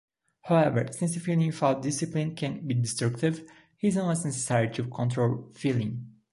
However, since feeling without discipline can be destructive, reason was necessary to control feeling.